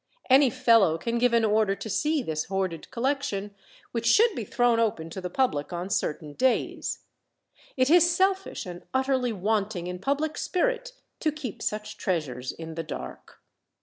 Any fellow can give an order to see this hoarded collection, which should be thrown open to the public on certain days. It is selfish and utterly wanting in public spirit to keep such treasures in the dark.